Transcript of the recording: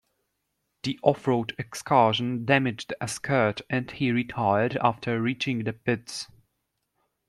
The off-road excursion damaged a skirt, and he retired after reaching the pits.